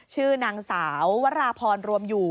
ชื่อนางสาววราพรรวมอยู่